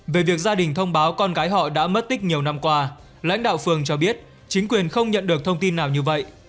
về việc gia đình thông báo con gái họ đã mất tích nhiều năm qua lãnh đạo phường cho biết chính quyền không nhận được thông tin nào như vậy